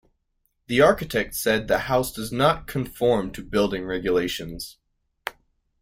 The architect said the house does not conform to building regulations.